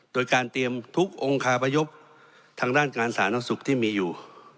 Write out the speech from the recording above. โดยการเตรียมทุกองค์คาพยพทางด้านการสาธารณสุขที่มีอยู่